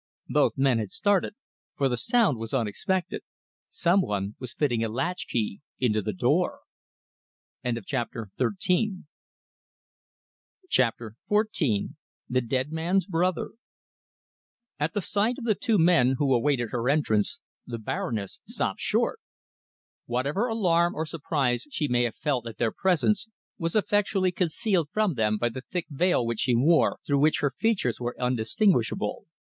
Both men had started, for the sound was unexpected. Some one was fitting a latch key into the door! CHAPTER XIV THE DEAD MAN'S BROTHER At the sight of the two men who awaited her entrance, the Baroness stopped short. Whatever alarm or surprise she may have felt at their presence was effectually concealed from them by the thick veil which she wore, through which her features were undistinguishable.